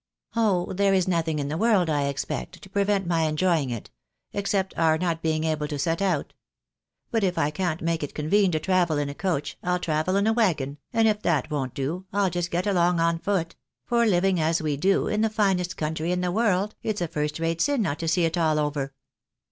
"" Oh, there is nothing in the world, I expect, to prevent my enjoying it, except our not being able to set out. But if I can't make it convene to travel in a coach, I'U travel in a wagon, and if that won't do, I'll just get along on foot ; for, living as we do, in the finest country in the world, it's a first rate sin not to see it all over."